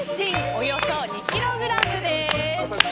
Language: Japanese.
およそ２ｋｇです。